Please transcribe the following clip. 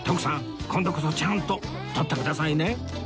今度こそちゃんと撮ってくださいね！